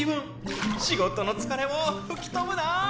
仕事の疲れも吹き飛ぶな！